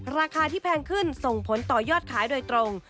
ราคาที่แพงขึ้นส่งผลต่อยอดขายโดยตรง